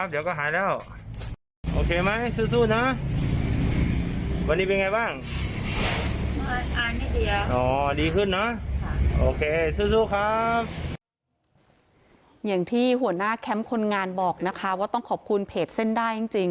อย่างที่หัวหน้าแคมป์คนงานบอกนะคะว่าต้องขอบคุณเพจเส้นได้จริง